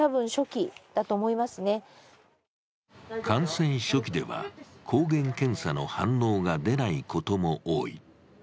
感染初期では抗原検査の反応が出ないことも多い。